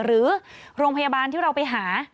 หรือโรงพยาบาลที่เราไปหา